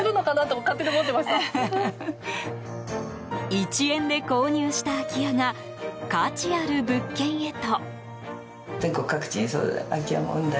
１円で購入した空き家が価値ある物件へと。